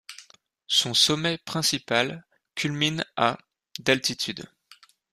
Son sommet principal culmine à d'altitude.